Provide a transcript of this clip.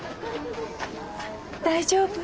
大丈夫？